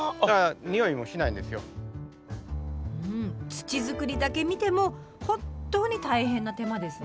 「土作り」だけ見ても本当に大変な手間ですね。